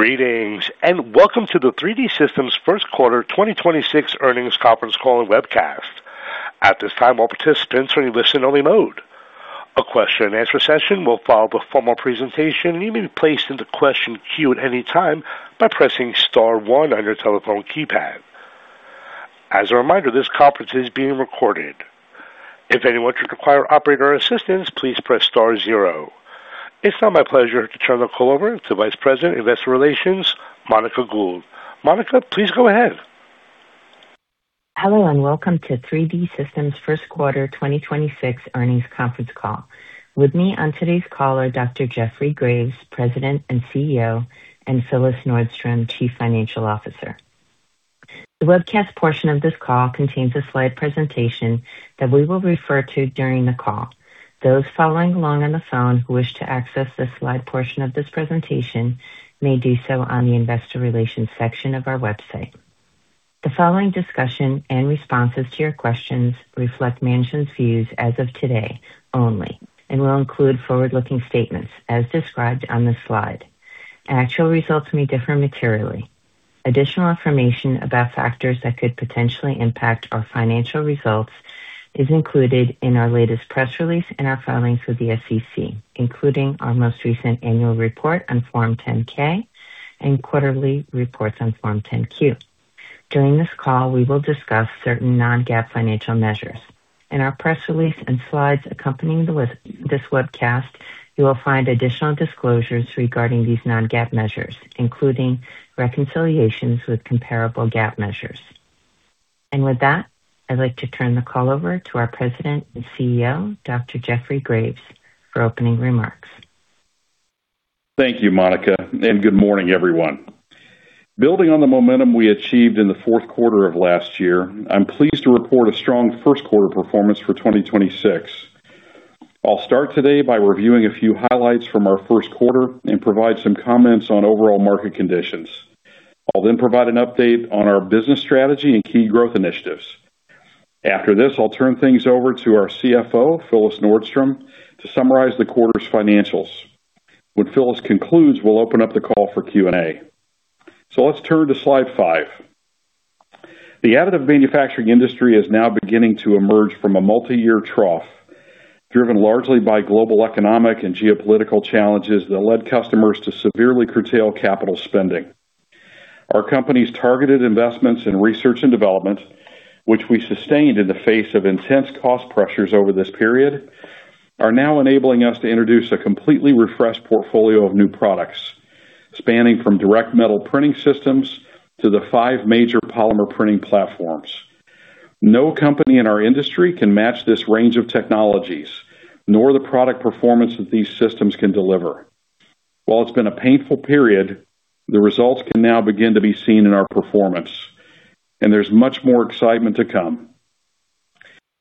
Greetings, and welcome to the 3D Systems' first quarter 2026 earnings conference call and webcast. At this time, all participants are in listen only mode. A question and answer session will follow the formal presentation, and you may be placed into question queue at any time by pressing star one on your telephone keypad. As a reminder, this conference is being recorded. If anyone should require operator assistance, please press star zero. It is now my pleasure to turn the call over to Vice President, Investor Relations, Monica Gould. Monica, please go ahead. Hello, and welcome to 3D Systems' first quarter 2026 earnings conference call. With me on today's call are Dr. Jeffrey Graves, President and CEO, and Phyllis Nordstrom, Chief Financial Officer. The webcast portion of this call contains a slide presentation that we will refer to during the call. Those following along on the phone who wish to access the slide portion of this presentation may do so on the investor relations section of our website. The following discussion and responses to your questions reflect management's views as of today only and will include forward-looking statements as described on the slide. Actual results may differ materially. Additional information about factors that could potentially impact our financial results is included in our latest press release and our filings with the SEC, including our most recent annual report on Form 10-K and quarterly reports on Form 10-Q. During this call, we will discuss certain non-GAAP financial measures. In our press release and slides accompanying this webcast, you will find additional disclosures regarding these non-GAAP measures, including reconciliations with comparable GAAP measures. With that, I'd like to turn the call over to our President and CEO, Dr. Jeffrey Graves, for opening remarks. Thank you, Monica, and good morning, everyone. Building on the momentum we achieved in the fourth quarter of last year, I'm pleased to report a strong first quarter performance for 2026. I'll start today by reviewing a few highlights from our first quarter and provide some comments on overall market conditions. I'll then provide an update on our business strategy and key growth initiatives. After this, I'll turn things over to our CFO, Phyllis Nordstrom, to summarize the quarter's financials. When Phyllis concludes, we'll open up the call for Q&A. Let's turn to slide five. The additive manufacturing industry is now beginning to emerge from a multi-year trough, driven largely by global economic and geopolitical challenges that led customers to severely curtail capital spending. Our company's targeted investments in research and development, which we sustained in the face of intense cost pressures over this period, are now enabling us to introduce a completely refreshed portfolio of new products, spanning from direct metal printing systems to the five major polymer printing platforms. No company in our industry can match this range of technologies, nor the product performance that these systems can deliver. While it's been a painful period, the results can now begin to be seen in our performance, and there's much more excitement to come.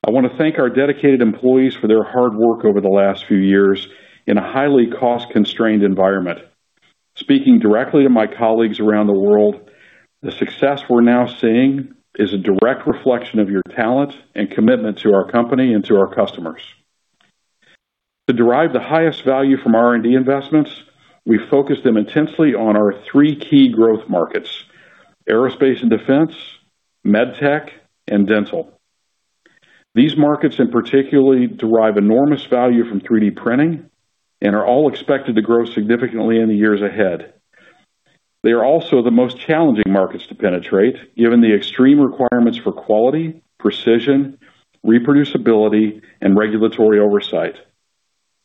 I want to thank our dedicated employees for their hard work over the last few years in a highly cost-constrained environment. Speaking directly to my colleagues around the world, the success we're now seeing is a direct reflection of your talent and commitment to our company and to our customers. To derive the highest value from R&D investments, we focused them intensely on our three key growth markets: aerospace and defense, medtech, and dental. These markets in particular derive enormous value from 3D printing and are all expected to grow significantly in the years ahead. They are also the most challenging markets to penetrate, given the extreme requirements for quality, precision, reproducibility, and regulatory oversight.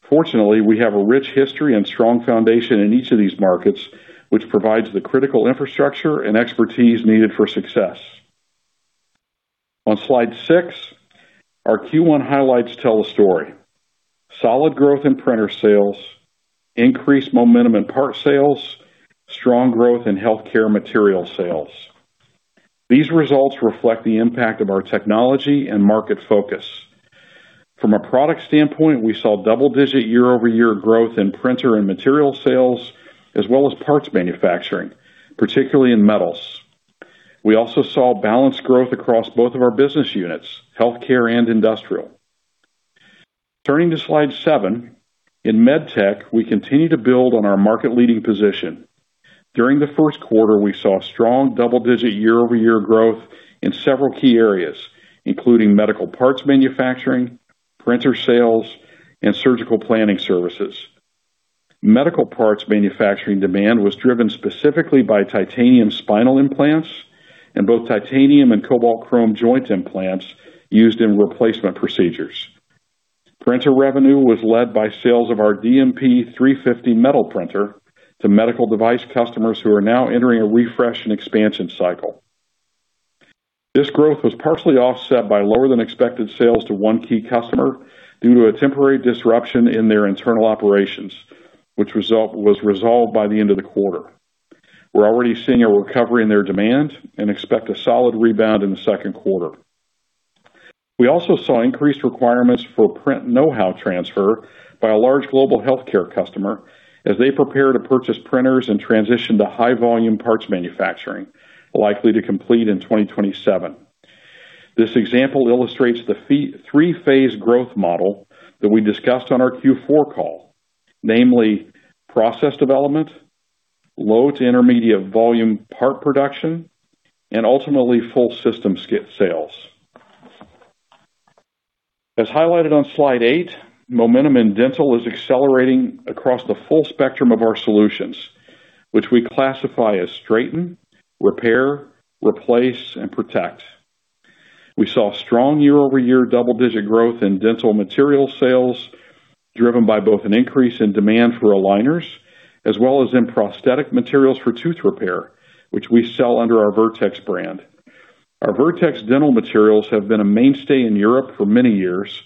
Fortunately, we have a rich history and strong foundation in each of these markets, which provides the critical infrastructure and expertise needed for success. On slide six, our Q1 highlights tell a story. Solid growth in printer sales, increased momentum in part sales, strong growth in healthcare material sales. These results reflect the impact of our technology and market focus. From a product standpoint, we saw double-digit year-over-year growth in printer and material sales as well as parts manufacturing, particularly in metals. We also saw balanced growth across both of our business units, healthcare and industrial. Turning to slide seven. In medtech, we continue to build on our market-leading position. During the first quarter, we saw strong double-digit year-over-year growth in several key areas, including medical parts manufacturing, printer sales, and surgical planning services. Medical parts manufacturing demand was driven specifically by titanium spinal implants and both titanium and cobalt chrome joint implants used in replacement procedures. Printer revenue was led by sales of our DMP 350 metal printer to medical device customers who are now entering a refresh and expansion cycle. This growth was partially offset by lower than expected sales to one key customer due to a temporary disruption in their internal operations, which was resolved by the end of the quarter. We're already seeing a recovery in their demand and expect a solid rebound in the second quarter. We also saw increased requirements for print know-how transfer by a large global healthcare customer as they prepare to purchase printers and transition to high volume parts manufacturing, likely to complete in 2027. This example illustrates the three-phase growth model that we discussed on our Q4 call. Namely, process development, low to intermediate volume part production, and ultimately full system sales. As highlighted on slide eight, momentum in dental is accelerating across the full spectrum of our solutions, which we classify as straighten, repair, replace, and protect. We saw strong year-over-year double-digit growth in dental material sales, driven by both an increase in demand for aligners as well as in prosthetic materials for tooth repair, which we sell under our Vertex brand. Our Vertex-Dental materials have been a mainstay in Europe for many years.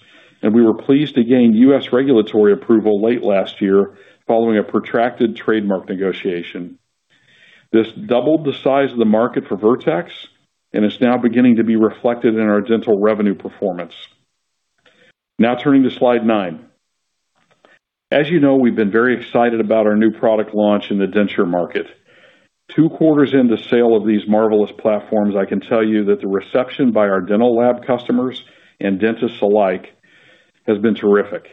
We were pleased to gain U.S. regulatory approval late last year following a protracted trademark negotiation. This doubled the size of the market for Vertex-Dental and is now beginning to be reflected in our dental revenue performance. Turning to slide nine. As you know, we've been very excited about our new product launch in the denture market. Two quarters into sale of these marvelous platforms, I can tell you that the reception by our dental lab customers and dentists alike has been terrific.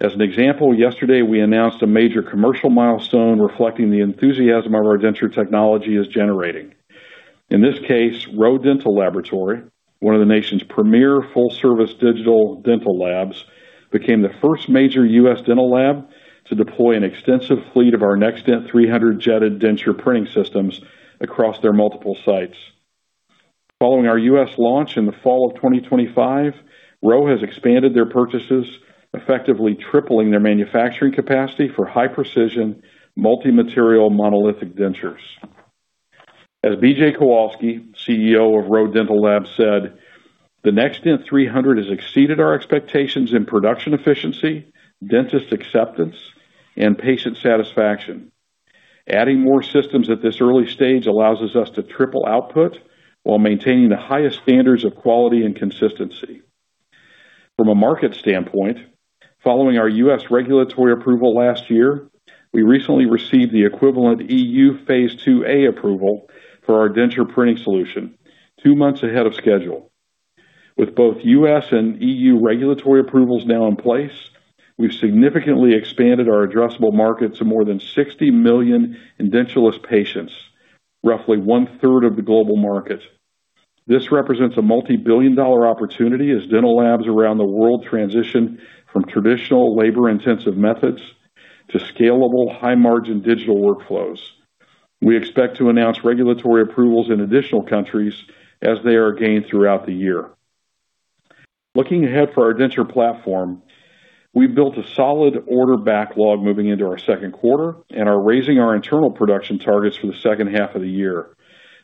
As an example, yesterday, we announced a major commercial milestone reflecting the enthusiasm our denture technology is generating. In this case, ROE Dental Laboratory, one of the nation's premier full-service digital dental labs, became the first major U.S. dental lab to deploy an extensive fleet of our NextDent 300 jetted denture printing systems across their multiple sites. Following our U.S. launch in the fall of 2025, ROE has expanded their purchases, effectively tripling their manufacturing capacity for high-precision, multi-material monolithic dentures. As BJ Kowalski, CEO of ROE Dental Laboratory said, "The NextDent 300 has exceeded our expectations in production efficiency, dentist acceptance, and patient satisfaction. Adding more systems at this early stage allows us to triple output while maintaining the highest standards of quality and consistency." From a market standpoint, following our U.S. regulatory approval last year, we recently received the equivalent E.U. Phase IIA approval for our denture printing solution two months ahead of schedule. With both U.S. and E.U. regulatory approvals now in place, we've significantly expanded our addressable market to more than 60 million edentulous patients, roughly one-third of the global market. This represents a multi-billion dollar opportunity as dental labs around the world transition from traditional labor-intensive methods to scalable, high-margin digital workflows. We expect to announce regulatory approvals in additional countries as they are gained throughout the year. Looking ahead for our denture platform, we built a solid order backlog moving into our second quarter and are raising our internal production targets for the second half of the year.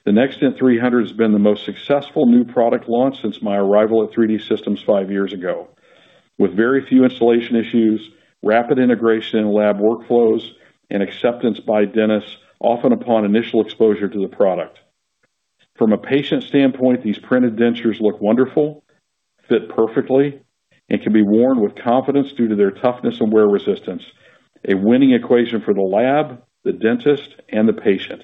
The NextDent 300 has been the most successful new product launch since my arrival at 3D Systems five years ago, with very few installation issues, rapid integration in lab workflows, and acceptance by dentists often upon initial exposure to the product. From a patient standpoint, these printed dentures look wonderful, fit perfectly, and can be worn with confidence due to their toughness and wear resistance. A winning equation for the lab, the dentist, and the patient.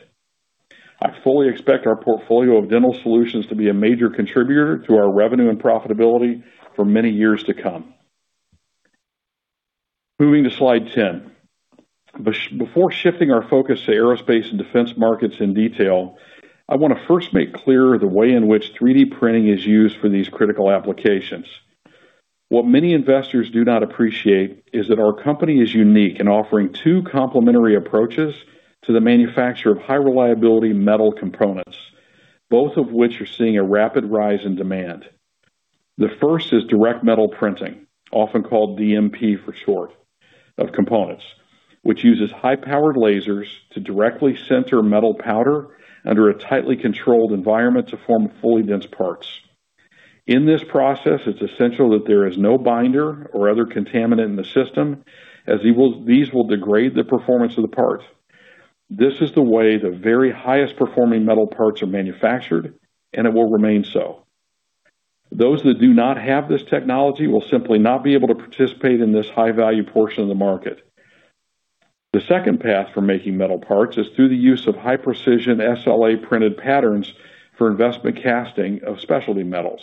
I fully expect our portfolio of dental solutions to be a major contributor to our revenue and profitability for many years to come. Moving to slide 10. Before shifting our focus to aerospace and defense markets in detail, I want to first make clear the way in which 3D printing is used for these critical applications. What many investors do not appreciate is that our company is unique in offering two complementary approaches to the manufacture of high-reliability metal components, both of which are seeing a rapid rise in demand. The first is Direct Metal Printing, often called DMP for short, of components, which uses high-powered lasers to directly sinter metal powder under a tightly controlled environment to form fully dense parts. In this process, it's essential that there is no binder or other contaminant in the system as these will degrade the performance of the part. This is the way the very highest performing metal parts are manufactured. It will remain so. Those that do not have this technology will simply not be able to participate in this high-value portion of the market. The second path for making metal parts is through the use of high-precision SLA printed patterns for investment casting of specialty metals.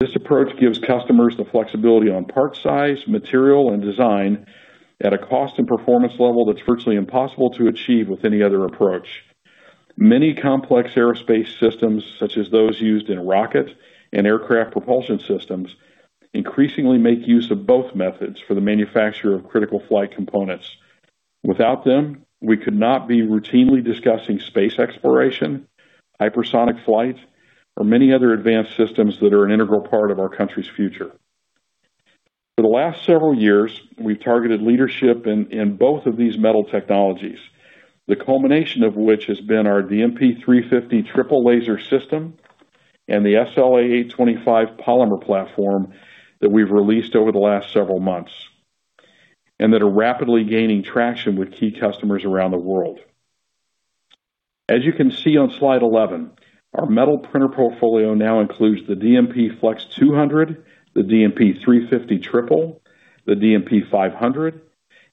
This approach gives customers the flexibility on part size, material, and design at a cost and performance level that's virtually impossible to achieve with any other approach. Many complex aerospace systems, such as those used in rocket and aircraft propulsion systems, increasingly make use of both methods for the manufacture of critical flight components. Without them, we could not be routinely discussing space exploration, hypersonic flight, or many other advanced systems that are an integral part of our country's future. For the last several years, we've targeted leadership in both of these metal technologies, the culmination of which has been our DMP 350 Triple Laser system and the SLA 825 polymer platform that we've released over the last several months and that are rapidly gaining traction with key customers around the world. As you can see on slide 11, our metal printer portfolio now includes the DMP Flex 200, the DMP 350, the DMP 500,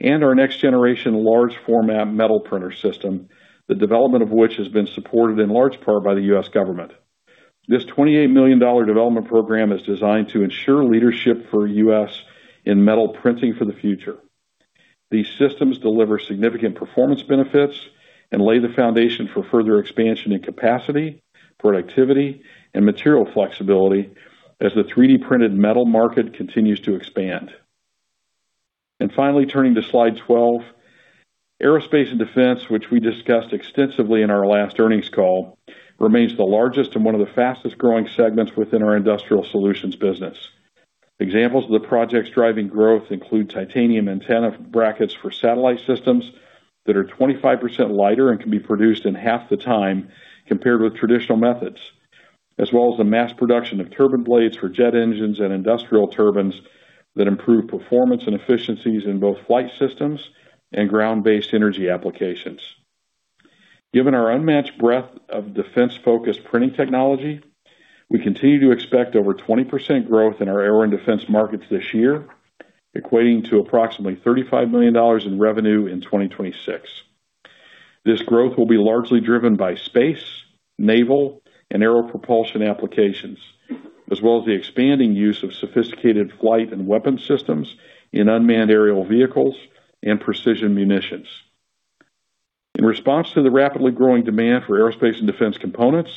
and our next generation large format metal printer system, the development of which has been supported in large part by the U.S. government. This $28 million development program is designed to ensure leadership for the U.S. in metal printing for the future. These systems deliver significant performance benefits and lay the foundation for further expansion in capacity, productivity, and material flexibility as the 3D printed metal market continues to expand. Finally, turning to slide 12, aerospace and defense, which we discussed extensively in our last earnings call, remains the largest and one of the fastest-growing segments within our industrial solutions business. Examples of the projects driving growth include titanium antenna brackets for satellite systems that are 25% lighter and can be produced in half the time compared with traditional methods, as well as the mass production of turbine blades for jet engines and industrial turbines that improve performance and efficiencies in both flight systems and ground-based energy applications. Given our unmatched breadth of defense-focused printing technology, we continue to expect over 20% growth in our aero and defense markets this year, equating to approximately $35 million in revenue in 2026. This growth will be largely driven by space, naval, and aero propulsion applications, as well as the expanding use of sophisticated flight and weapon systems in unmanned aerial vehicles and precision munitions. In response to the rapidly growing demand for aerospace and defense components,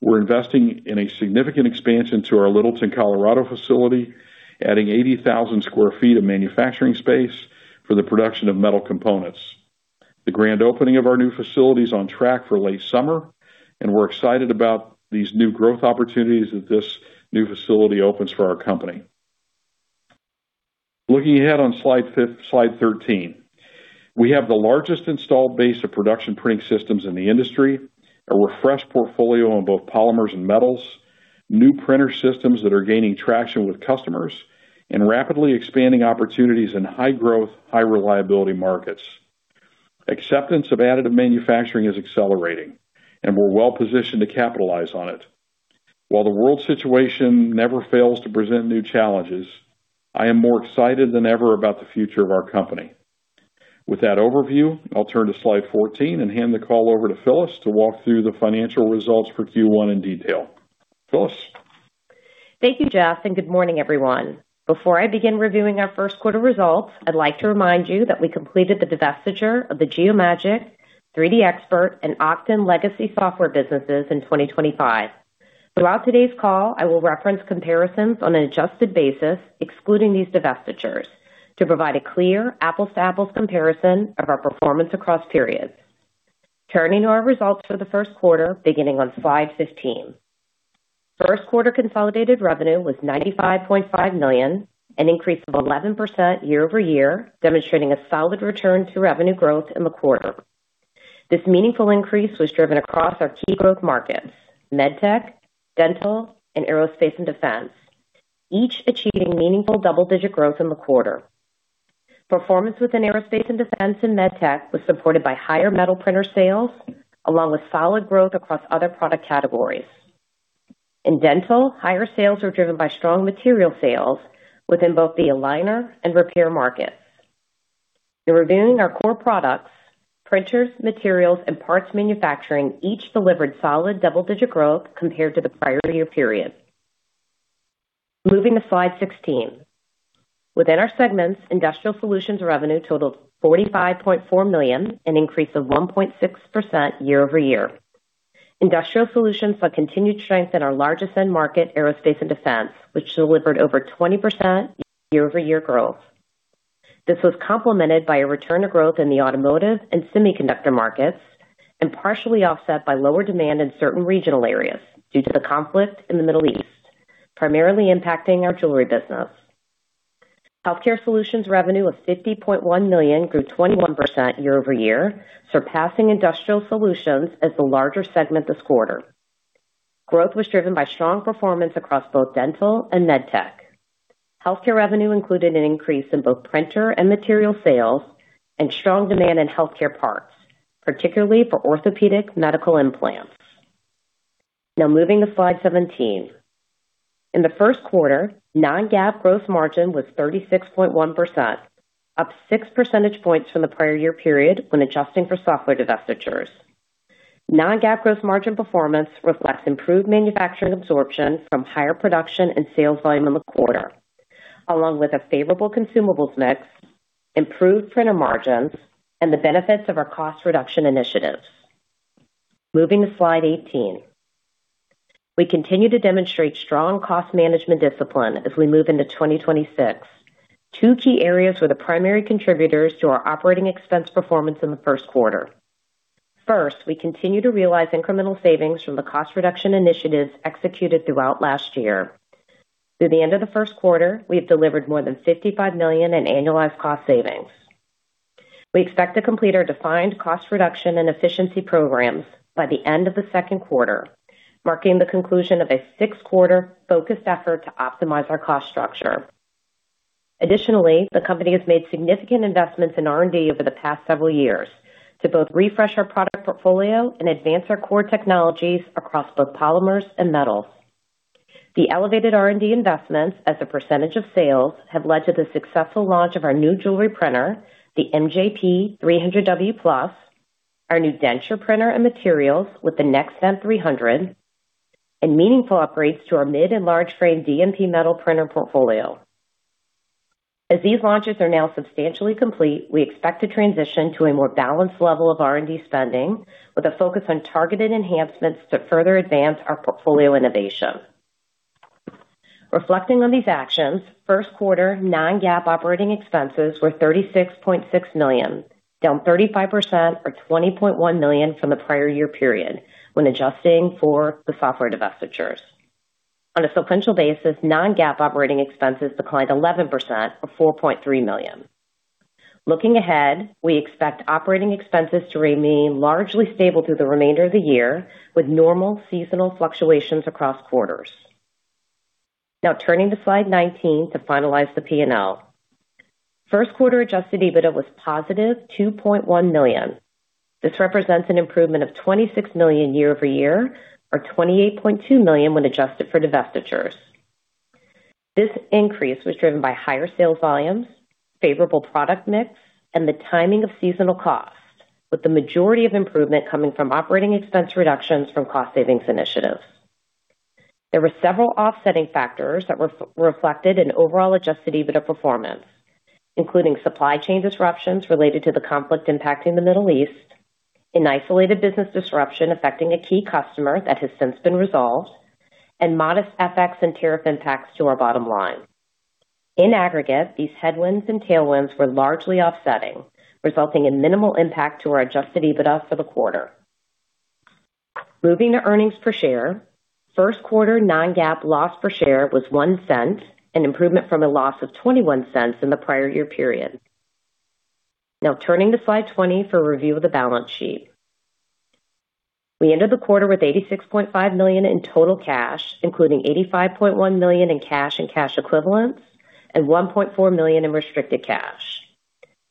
we're investing in a significant expansion to our Littleton, Colorado facility, adding 80,000 sq ft of manufacturing space for the production of metal components. The grand opening of our new facility is on track for late summer, and we're excited about these new growth opportunities that this new facility opens for our company. Looking ahead on slide 13. We have the largest installed base of production printing systems in the industry, a refreshed portfolio on both polymers and metals, new printer systems that are gaining traction with customers, and rapidly expanding opportunities in high growth, high reliability markets. Acceptance of additive manufacturing is accelerating, and we're well-positioned to capitalize on it. While the world situation never fails to present new challenges, I am more excited than ever about the future of our company. With that overview, I'll turn to slide 14 and hand the call over to Phyllis to walk through the financial results for Q1 in detail. Phyllis. Thank you, Jeff, and good morning, everyone. Before I begin reviewing our first quarter results, I'd like to remind you that we completed the divestiture of the Geomagic, 3DXpert, and Oqton legacy software businesses in 2025. Throughout today's call, I will reference comparisons on an adjusted basis, excluding these divestitures, to provide a clear apples-to-apples comparison of our performance across periods. Turning to our results for the first quarter, beginning on slide 15. First quarter consolidated revenue was $95.5 million, an increase of 11% year-over-year, demonstrating a solid return to revenue growth in the quarter. This meaningful increase was driven across our key growth markets, med tech, dental, and aerospace and defense, each achieving meaningful double-digit growth in the quarter. Performance within aerospace and defense and med tech was supported by higher metal printer sales along with solid growth across other product categories. In dental, higher sales were driven by strong material sales within both the aligner and repair markets. In reviewing our core products, printers, materials, and parts manufacturing each delivered solid double-digit growth compared to the prior year period. Moving to slide 16. Within our segments, Industrial Solutions revenue totaled $45.4 million, an increase of 1.6% year-over-year. Industrial Solutions saw continued strength in our largest end market, aerospace and defense, which delivered over 20% year-over-year growth. This was complemented by a return to growth in the automotive and semiconductor markets and partially offset by lower demand in certain regional areas due to the conflict in the Middle East, primarily impacting our jewelry business. Healthcare Solutions revenue of $50.1 million grew 21% year-over-year, surpassing Industrial Solutions as the larger segment this quarter. Growth was driven by strong performance across both dental and med tech. Healthcare revenue included an increase in both printer and material sales and strong demand in healthcare parts, particularly for orthopedic medical implants. Moving to slide 17. In the first quarter, non-GAAP gross margin was 36.1%, up 6 percentage points from the prior year period when adjusting for software divestitures. Non-GAAP gross margin performance reflects improved manufacturing absorption from higher production and sales volume in the quarter, along with a favorable consumables mix, improved printer margins, and the benefits of our cost reduction initiatives. Moving to slide 18. We continue to demonstrate strong cost management discipline as we move into 2026. Two key areas were the primary contributors to our operating expense performance in the first quarter. We continue to realize incremental savings from the cost reduction initiatives executed throughout last year. Through the end of the first quarter, we have delivered more than $55 million in annualized cost savings. We expect to complete our defined cost reduction and efficiency programs by the end of the second quarter, marking the conclusion of a six-quarter focused effort to optimize our cost structure. Additionally, the company has made significant investments in R&D over the past several years to both refresh our product portfolio and advance our core technologies across both polymers and metals. The elevated R&D investments as a percentage of sales have led to the successful launch of our new jewelry printer, the MJP 300W Plus, our new denture printer and materials with the NextDent 300, and meaningful upgrades to our mid and large frame DMP metal printer portfolio. As these launches are now substantially complete, we expect to transition to a more balanced level of R&D spending with a focus on targeted enhancements to further advance our portfolio innovation. Reflecting on these actions, first quarter non-GAAP operating expenses were $36.6 million, down 35% or $20.1 million from the prior year period when adjusting for the software divestitures. On a sequential basis, non-GAAP operating expenses declined 11% or $4.3 million. Looking ahead, we expect operating expenses to remain largely stable through the remainder of the year, with normal seasonal fluctuations across quarters. Turning to slide 19 to finalize the P&L. First quarter adjusted EBITDA was positive $2.1 million. This represents an improvement of $26 million year-over-year or $28.2 million when adjusted for divestitures. This increase was driven by higher sales volumes, favorable product mix, and the timing of seasonal costs, with the majority of improvement coming from OpEx reductions from cost savings initiatives. There were several offsetting factors that were reflected in overall adjusted EBITDA performance, including supply chain disruptions related to the conflict impacting the Middle East, an isolated business disruption affecting a key customer that has since been resolved, and modest FX and tariff impacts to our bottom line. In aggregate, these headwinds and tailwinds were largely offsetting, resulting in minimal impact to our adjusted EBITDA for the quarter. Moving to earnings per share. First quarter non-GAAP loss per share was $0.01, an improvement from a loss of $0.21 in the prior year period. Now turning to slide 20 for a review of the balance sheet. We ended the quarter with $86.5 million in total cash, including $85.1 million in cash and cash equivalents and $1.4 million in restricted cash.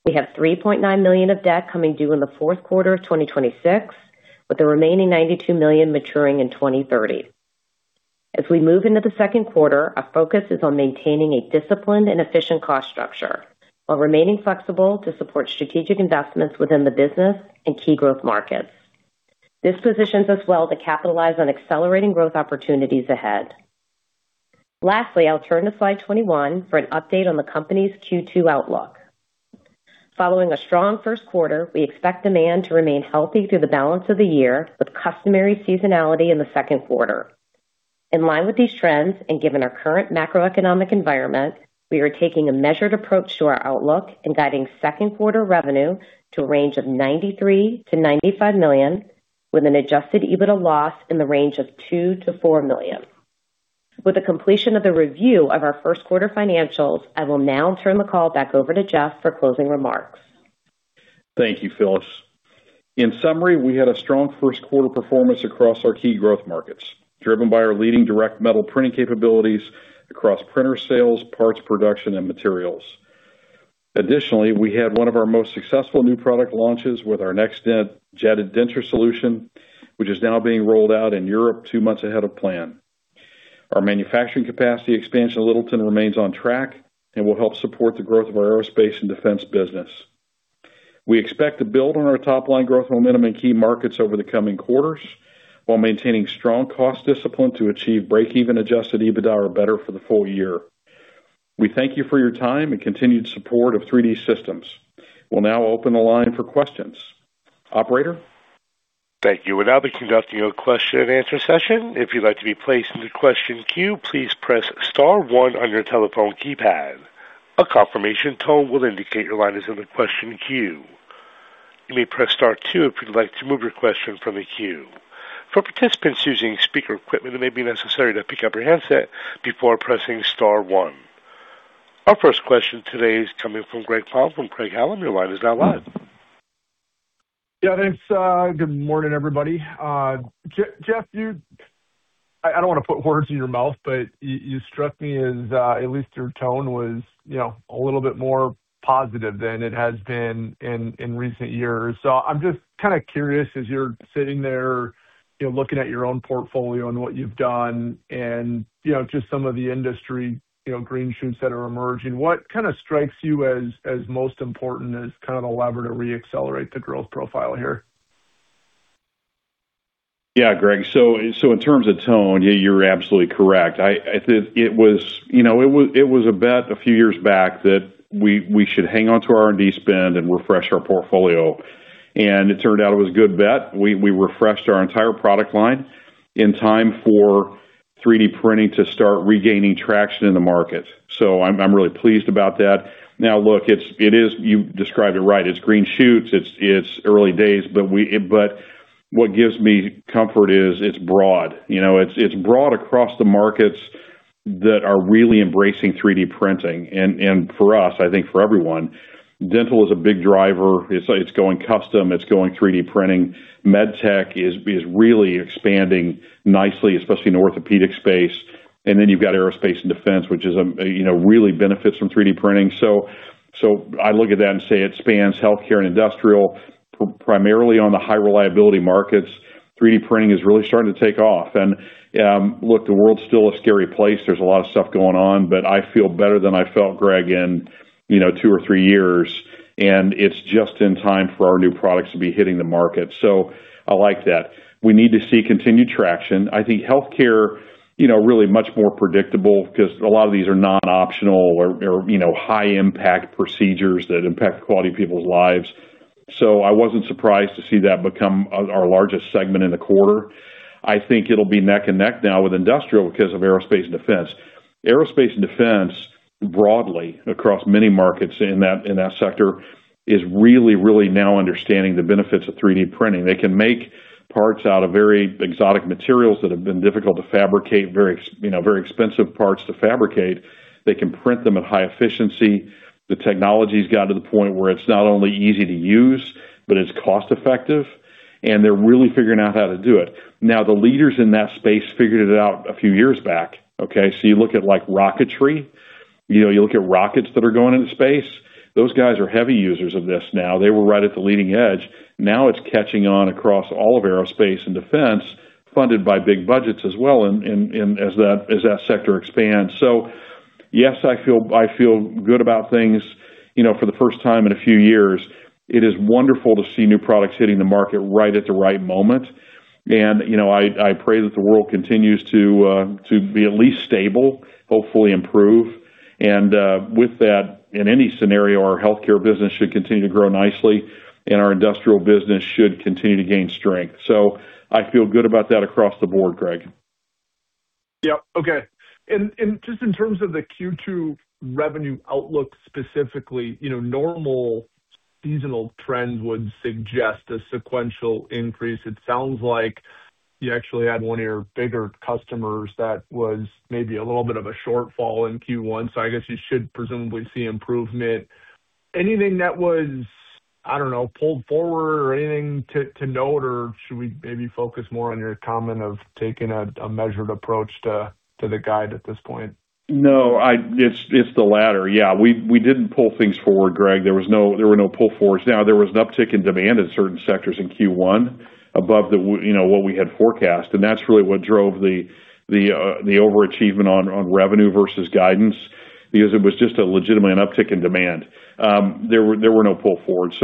We have $3.9 million of debt coming due in the fourth quarter of 2026, with the remaining $92 million maturing in 2030. As we move into the second quarter, our focus is on maintaining a disciplined and efficient cost structure while remaining flexible to support strategic investments within the business and key growth markets. This positions us well to capitalize on accelerating growth opportunities ahead. Lastly, I'll turn to slide 21 for an update on the company's Q2 outlook. Following a strong first quarter, we expect demand to remain healthy through the balance of the year with customary seasonality in the second quarter. In line with these trends and given our current macroeconomic environment, we are taking a measured approach to our outlook and guiding second quarter revenue to a range of $93 million-$95 million with an adjusted EBITDA loss in the range of $2 million-$4 million. With the completion of the review of our first quarter financials, I will now turn the call back over to Jeff for closing remarks. Thank you, Phyllis. In summary, we had a strong first quarter performance across our key growth markets, driven by our leading direct metal printing capabilities across printer sales, parts production, and materials. Additionally, we had one of our most successful new product launches with our NextDent jetted denture solution, which is now being rolled out in Europe two months ahead of plan. Our manufacturing capacity expansion in Littleton remains on track and will help support the growth of our aerospace and defense business. We expect to build on our top-line growth momentum in key markets over the coming quarters while maintaining strong cost discipline to achieve breakeven adjusted EBITDA or better for the full year. We thank you for your time and continued support of 3D Systems. We'll now open the line for questions. Operator? Thank you. We'll now be conducting a question and answer session. If you'd like to be placed in the question queue, please press star one on your telephone keypad. A confirmation tone will indicate your line is in the question queue. You may press star two if you'd like to remove your question from the queue. For participants using speaker equipment, it may be necessary to pick up your handset before pressing star one. Our first question today is coming from Greg Palm from Craig-Hallum. Your line is now live. Yeah, thanks. Good morning, everybody. Jeff, I don't want to put words in your mouth, but you struck me as, at least your tone was, you know, a little bit more positive than it has been in recent years. I'm just kind of curious, as you're sitting there, you know, looking at your own portfolio and what you've done and, you know, just some of the industry, you know, green shoots that are emerging, what kind of strikes you as most important as kind of a lever to re-accelerate the growth profile here? Yeah, Greg. In terms of tone, yeah, you're absolutely correct. I think it was, you know, it was a bet a few years back that we should hang on to our R&D spend and refresh our portfolio. It turned out it was a good bet. We refreshed our entire product line in time for 3D printing to start regaining traction in the market. I'm really pleased about that. Now, look, it is. You described it right. It's green shoots. It's early days. What gives me comfort is it's broad. You know, it's broad across the markets that are really embracing 3D printing. For us, I think for everyone, dental is a big driver. It's going custom. It's going 3D printing. Med tech is really expanding nicely, especially in the orthopedic space. You've got aerospace and defense, which is, you know, really benefits from 3D printing. I look at that and say it spans healthcare and industrial, primarily on the high reliability markets. 3D printing is really starting to take off. Look, the world's still a scary place. There's a lot of stuff going on, I feel better than I felt, Greg, in, you know, two or three years, and it's just in time for our new products to be hitting the market. I like that. We need to see continued traction. I think healthcare, you know, really much more predictable because a lot of these are non-optional or, you know, high impact procedures that impact the quality of people's lives. I wasn't surprised to see that become our largest segment in the quarter. I think it'll be neck and neck now with industrial because of aerospace and defense. Aerospace and defense broadly across many markets in that sector is really now understanding the benefits of 3D printing. They can make parts out of very exotic materials that have been difficult to fabricate, you know, very expensive parts to fabricate. They can print them at high efficiency. The technology's gotten to the point where it's not only easy to use, but it's cost effective, and they're really figuring out how to do it. The leaders in that space figured it out a few years back, okay? You look at like rocketry, you know, you look at rockets that are going into space, those guys are heavy users of this now. They were right at the leading edge. Now it's catching on across all of aerospace and defense, funded by big budgets as well as that sector expands. Yes, I feel good about things, you know, for the first time in a few years. It is wonderful to see new products hitting the market right at the right moment. You know, I pray that the world continues to be at least stable, hopefully improve. With that, in any scenario, our healthcare business should continue to grow nicely, and our industrial business should continue to gain strength. I feel good about that across the board, Greg. Yeah. Okay. Just in terms of the Q2 revenue outlook specifically, you know, normal seasonal trends would suggest a sequential increase. It sounds like you actually had one of your bigger customers that was maybe a little bit of a shortfall in Q1, so I guess you should presumably see improvement. Anything that was, I don't know, pulled forward or anything to note, or should we maybe focus more on your comment of taking a measured approach to the guide at this point? No. It's the latter. Yeah. We didn't pull things forward, Greg. There were no pull forwards. There was an uptick in demand in certain sectors in Q1 above what, you know, what we had forecast, and that's really what drove the overachievement on revenue versus guidance because it was just legitimately an uptick in demand. There were no pull forward.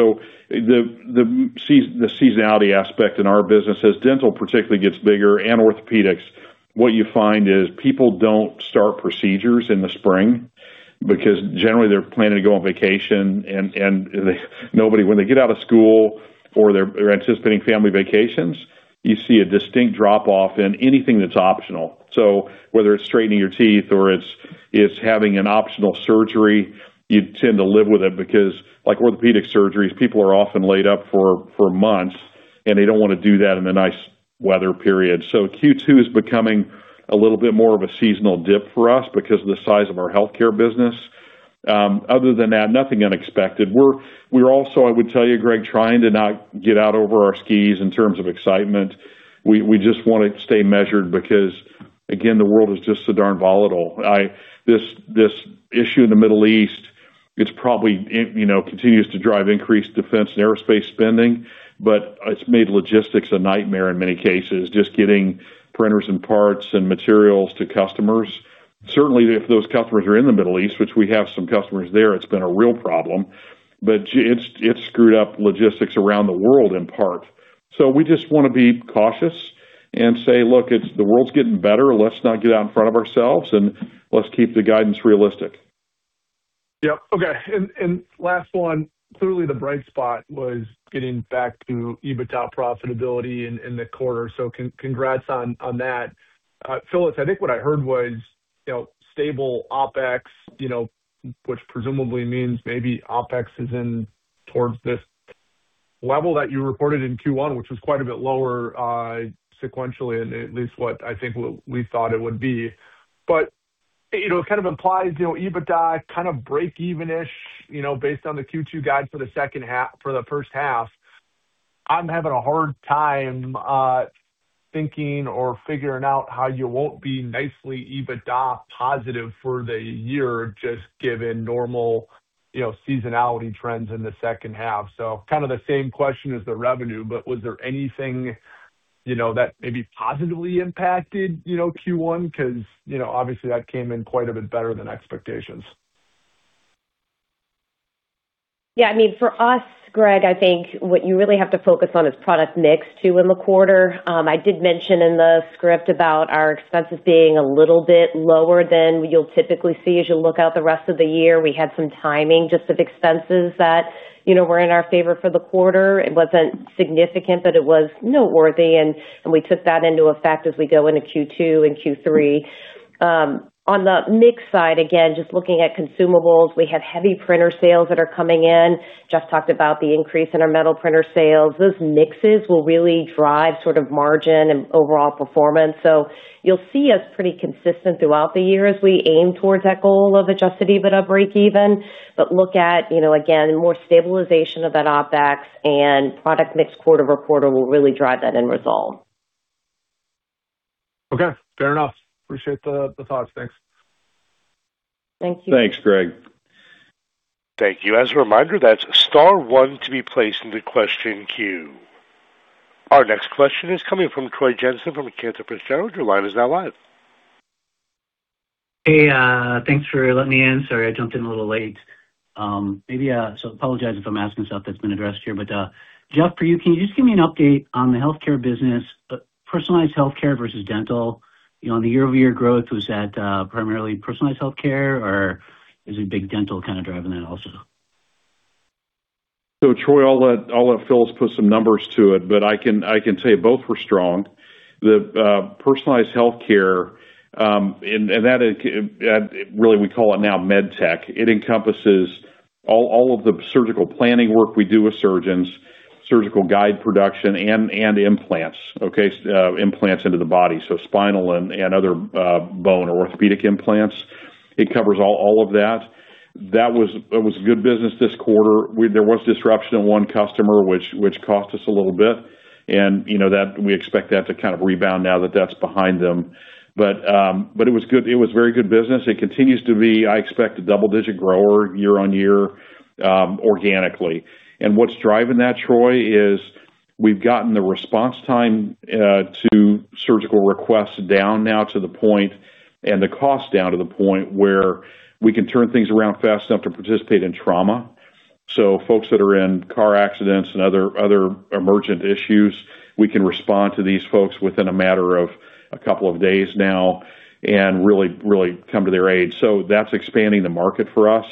The seasonality aspect in our business, as dental particularly gets bigger and orthopedics, what you find is people don't start procedures in the spring because generally they're planning to go on vacation and when they get out of school or they're anticipating family vacations, you see a distinct drop-off in anything that's optional. Whether it's straightening your teeth or it's having an optional surgery, you tend to live with it because like orthopedic surgeries, people are often laid up for months, and they don't wanna do that in a nice weather period. Q2 is becoming a little bit more of a seasonal dip for us because of the size of our healthcare business. Other than that, nothing unexpected. We're also, I would tell you, Greg Palm, trying to not get out over our skis in terms of excitement. We just wanna stay measured because, again, the world is just so darn volatile. This issue in the Middle East, it probably, you know, continues to drive increased defense and aerospace spending, but it's made logistics a nightmare in many cases, just getting printers and parts and materials to customers. Certainly, if those customers are in the Middle East, which we have some customers there, it's been a real problem. It's screwed up logistics around the world in part. We just wanna be cautious and say, "Look, it's the world's getting better. Let's not get out in front of ourselves, and let's keep the guidance realistic. Yep. Okay. Last one, clearly the bright spot was getting back to EBITDA profitability in the quarter. Congrats on that. Phyllis, I think what I heard was, you know, stable OpEx, you know, which presumably means maybe OpEx is in towards this level that you reported in Q1, which was quite a bit lower sequentially, and at least what I think we thought it would be. You know, it kind of implies, you know, EBITDA kind of breakeven-ish, you know, based on the Q2 guide for the first half. I'm having a hard time thinking or figuring out how you won't be nicely EBITDA positive for the year, just given normal, you know, seasonality trends in the second half. Kind of the same question as the revenue, but was there anything, you know, that maybe positively impacted, you know, Q1? Because, you know, obviously that came in quite a bit better than expectations. Yeah. I mean, for us, Greg, I think what you really have to focus on is product mix too in the quarter. I did mention in the script about our expenses being a little bit lower than you'll typically see as you look out the rest of the year. We had some timing just of expenses that, you know, were in our favor for the quarter. It wasn't significant, but it was noteworthy, and we took that into effect as we go into Q2 and Q3. On the mix side, again, just looking at consumables, we have heavy printer sales that are coming in. Jeff talked about the increase in our metal printer sales. Those mixes will really drive sort of margin and overall performance. You'll see us pretty consistent throughout the year as we aim towards that goal of adjusted EBITDA breakeven. Look at, you know, again, more stabilization of that OpEx and product mix quarter-over-quarter will really drive that end result. Okay, fair enough. Appreciate the thoughts. Thanks. Thank you. Thanks, Greg. Thank you. As a reminder, that's star one to be placed in the question queue. Our next question is coming from Troy Jensen from Cantor Fitzgerald. Your line is now live. Hey, thanks for letting me in. Sorry, I jumped in a little late. Maybe, apologize if I'm asking stuff that's been addressed here, Jeff, for you, can you just give me an update on the healthcare business, personalized healthcare versus dental? You know, on the year-over-year growth, was that primarily personalized healthcare or is it big dental kind of driving that also? Troy, I'll let Phyllis put some numbers to it, but I can say both were strong. The personalized healthcare, and that it really we call it now med tech. It encompasses all of the surgical planning work we do with surgeons, surgical guide production and implants. Okay, implants into the body, so spinal and other bone or orthopedic implants. It covers all of that. It was good business this quarter. There was disruption in one customer, which cost us a little bit. You know, we expect that to kind of rebound now that that's behind them. But it was good. It was very good business. It continues to be, I expect, a double-digit grower year on year, organically. What's driving that, Troy, is we've gotten the response time to surgical requests down now to the point, and the cost down to the point, where we can turn things around fast enough to participate in trauma. Folks that are in car accidents and other emergent issues, we can respond to these folks within a matter of a couple of days now and really come to their aid. That's expanding the market for us.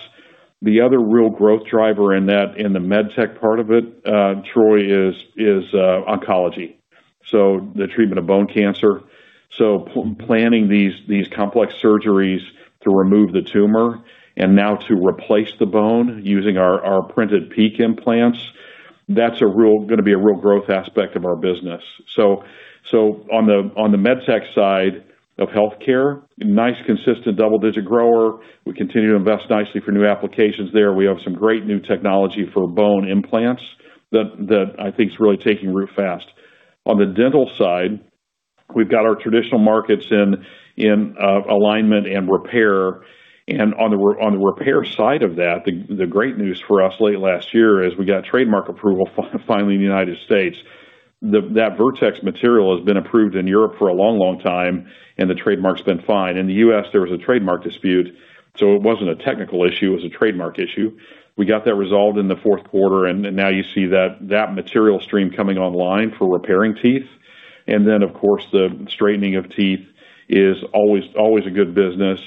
The other real growth driver in that, in the med tech part of it, Troy, is oncology, so the treatment of bone cancer. Planning these complex surgeries to remove the tumor and now to replace the bone using our printed PEEK implants, that's a real gonna be a real growth aspect of our business. On the med tech side of healthcare, nice, consistent double-digit grower. We continue to invest nicely for new applications there. We have some great new technology for bone implants that I think is really taking root fast. On the dental side, we've got our traditional markets in alignment and repair. On the repair side of that, the great news for us late last year is we got trademark approval finally in the U.S. That Vertex-Dental material has been approved in Europe for a long time, and the trademark's been fine. In the U.S., there was a trademark dispute, it wasn't a technical issue, it was a trademark issue. We got that resolved in the fourth quarter, now you see that material stream coming online for repairing teeth. Of course, the straightening of teeth is always a good business.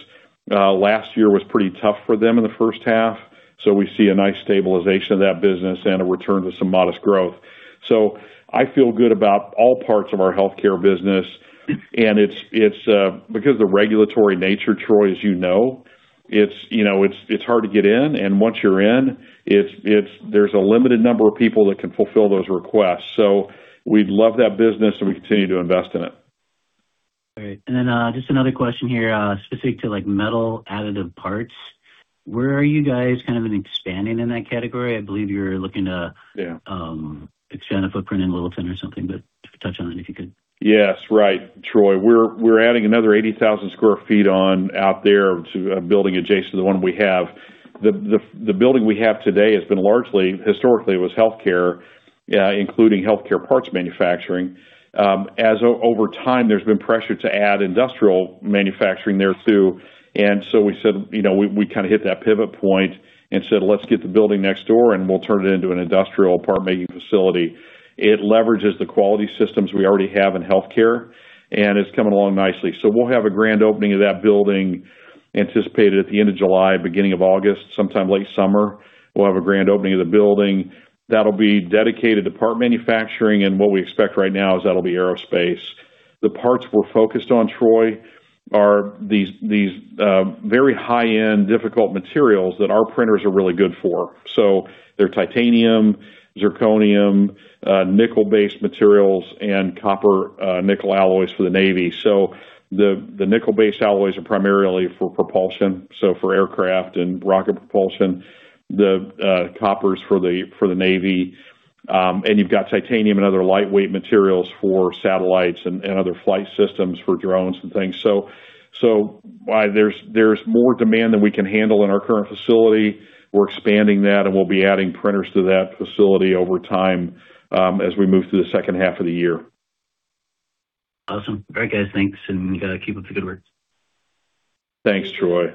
Last year was pretty tough for them in the first half, we see a nice stabilization of that business and a return to some modest growth. I feel good about all parts of our healthcare business, and it's because the regulatory nature, Troy, as you know, it's hard to get in. Once you're in, it's there's a limited number of people that can fulfill those requests. We love that business, and we continue to invest in it. Great. Just another question here, specific to like metal additive parts. Where are you guys kind of expanding in that category? I believe you're looking to- Yeah. expand a footprint in Littleton or something, but touch on that if you could. Yes, right, Troy. We're adding another 80,000 sq ft on out there to a building adjacent to the one we have. The building we have today has been largely, historically, it was healthcare, including healthcare parts manufacturing. As over time, there's been pressure to add industrial manufacturing there, too. We said, you know, we kind of hit that pivot point and said, "Let's get the building next door, and we'll turn it into an industrial part-making facility." It leverages the quality systems we already have in healthcare, and it's coming along nicely. We'll have a grand opening of that building anticipated at the end of July, beginning of August. Sometime late summer, we'll have a grand opening of the building. That'll be dedicated to part manufacturing, and what we expect right now is that'll be aerospace. The parts we're focused on, Troy, are these very high-end, difficult materials that our printers are really good for. They're titanium, zirconium, nickel-based materials, and copper, nickel alloys for the Navy. The nickel-based alloys are primarily for propulsion, for aircraft and rocket propulsion. The copper's for the Navy. You've got titanium and other lightweight materials for satellites and other flight systems for drones and things. There's more demand than we can handle in our current facility. We're expanding that, and we'll be adding printers to that facility over time, as we move through the second half of the year. Awesome. All right, guys, thanks, and you gotta keep up the good work. Thanks, Troy.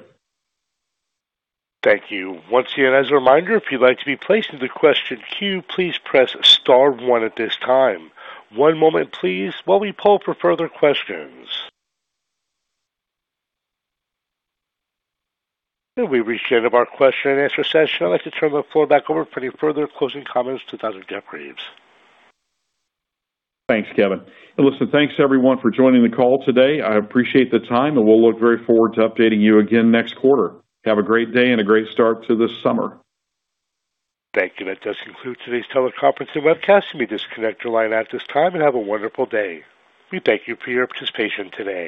Thank you. Once again, as a reminder, if you'd like to be placed in the question queue, please press star one at this time. One moment, please, while we poll for further questions. We've reached the end of our question and answer session. I'd like to turn the floor back over for any further closing comments to Dr. Jeffrey Graves. Thanks, Kevin. Listen, thanks everyone for joining the call today. I appreciate the time, and we'll look very forward to updating you again next quarter. Have a great day and a great start to the summer. Thank you. That does conclude today's teleconference and webcast. You may disconnect your line at this time and have a wonderful day. We thank you for your participation today.